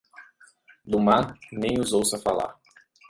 Do mar, nem os ouça falar.